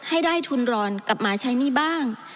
ให้ได้ทุนรอนกลับมาใช้หนี้บ้าง